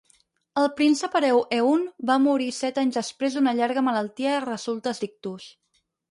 El príncep hereu Eun va morir set anys després d'una llarga malaltia a resultes d'ictus.